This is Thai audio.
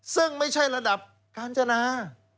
ซึ่งไม่ใช่ระดับกาญจนา